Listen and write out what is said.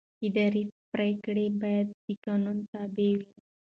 اداري پرېکړه باید د قانون تابع وي.